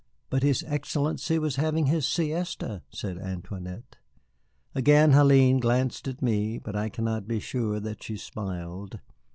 "But his Excellency was having his siesta!" said Antoinette. Again Hélène glanced at me, but I cannot be sure that she smiled.